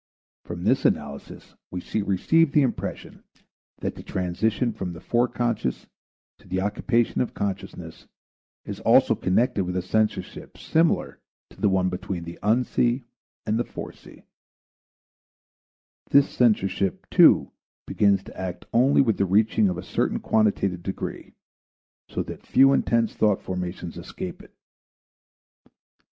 From this analysis we receive the impression that the transition from the foreconscious to the occupation of consciousness is also connected with a censorship similar to the one between the Unc. and the Forec. This censorship, too, begins to act only with the reaching of a certain quantitative degree, so that few intense thought formations escape it.